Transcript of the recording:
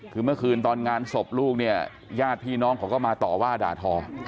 คือเมื่อคืนตอนงานศพลูกเนี่ยญาติพี่น้องเขาก็มาต่อว่าด่าทอ